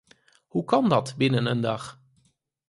Hoe kan dat, binnen een dag?